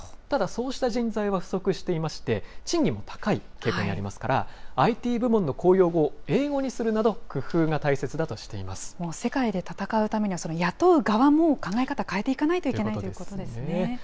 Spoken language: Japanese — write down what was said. ただ、そうした人材は不足していまして、賃金も高い傾向にありますから、ＩＴ部門の公用語を英語にするなど、工夫が大切だとして世界で戦うためには、雇う側も考え方変えていかないといけないということですね。